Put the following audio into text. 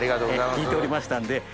聞いておりましたんで。